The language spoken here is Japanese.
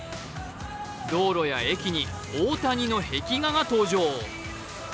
道路や駅に大谷の壁画が登場。